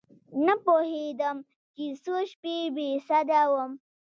نه پوهېدم چې څو شپې بې سده وم.